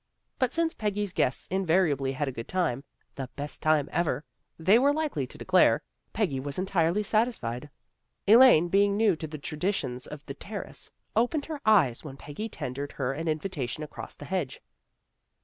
But since Peggy's guests invariably had a good time, " the best tune ever," they were likely to declare, Peggy was entirely satisfied. Elaine, being new to the traditions of the Terrace, opened her eyes when Peggy tendered her an invitation across the hedge.